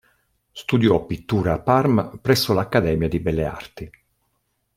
Studiò pittura a Parma presso l'Accademia di Belle Arti.